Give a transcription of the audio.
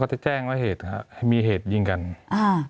มีความรู้สึกว่ามีความรู้สึกว่า